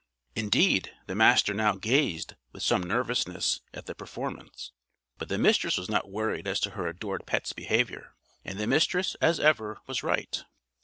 Indeed, the Master now gazed, with some nervousness, at the performance; but the Mistress was not worried as to her adored pet's behavior; and the Mistress, as ever, was right.